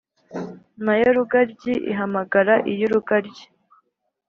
na yo rugaryi ihamagara iy’urugaryi,